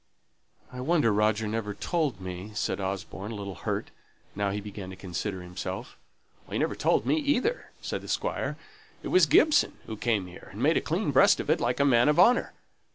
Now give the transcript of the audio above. "I wonder Roger never told me," said Osborne, a little hurt, now he began to consider himself. "He never told me either," said the Squire. "It was Gibson, who came here, and made a clean breast of it, like a man of honour.